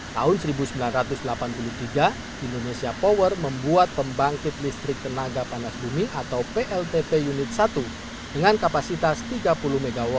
tahun seribu sembilan ratus delapan puluh tiga indonesia power membuat pembangkit listrik tenaga panas bumi atau pltp unit satu dengan kapasitas tiga puluh mw